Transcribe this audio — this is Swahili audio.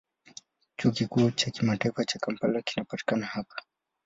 Chuo Kikuu cha Kimataifa cha Kampala kinapatikana hapa.